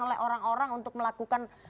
oleh orang orang untuk melakukan